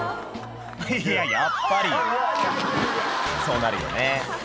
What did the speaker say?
いややっぱりそうなるよね